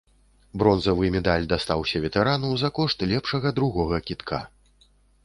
Бронзавы медаль дастаўся ветэрану за кошт лепшага другога кідка.